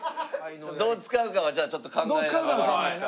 どう使うかはじゃあちょっと考えながら。